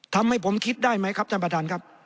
ทำให้ผมคิดได้ไหมครับท่านประธานครับ